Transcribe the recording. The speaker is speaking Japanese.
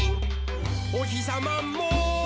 「おひさまも」